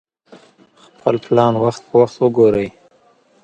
خپل پلان وخت په وخت وګورئ.